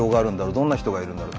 どんな人がいるんだろう。